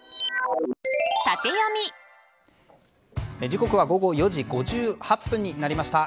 時刻は午後４時５８分になりました。